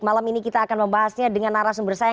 malam ini kita akan membahasnya dengan narasumber sayang